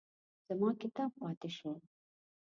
زما کتاب پاتې شو.